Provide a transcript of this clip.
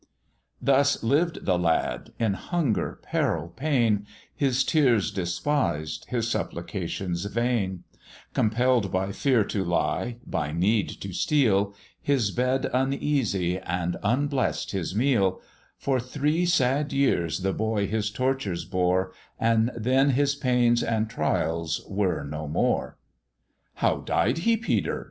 Thus lived the lad, in hunger, peril, pain, His tears despised, his supplications vain: Compe'lld by fear to lie, by need to steal, His bed uneasy and unbless'd his meal, For three sad years the boy his tortures bore, And then his pains and trials were no more. "How died he, Peter?"